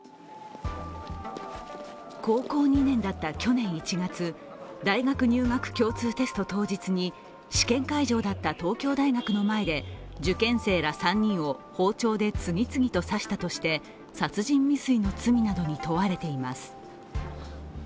高校２年だった去年１月、大学入学共通テスト当日に試験会場だった東京大学の前で受験生ら３人を包丁で次々と刺したとして殺人未遂の罪などに問われています。